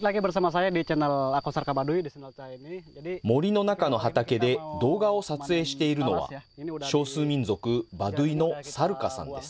森の中の畑で動画を撮影しているのは、少数民族バドゥイのサルカさんです。